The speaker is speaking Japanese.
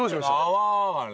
泡がね。